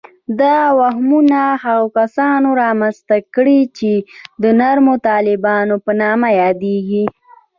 دا وهمونه هغو کسانو رامنځته کړي چې د نرمو طالبانو په نامه یادیږي